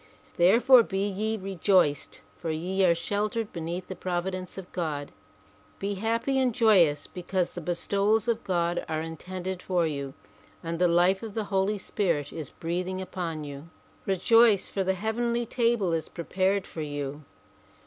Therefore be ye rejoiced for ye are sheltered beneath the provi dence of God. Be happy and joyous because the bestowals of God are intended for you and the life of the Holy Spirit is breathing upon you. Rejoice, for the heavenly table is prepared for you.